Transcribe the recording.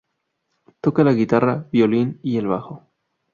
Toca la guitarra, violín y el bajo.